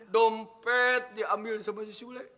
dompet diambil sama si sulet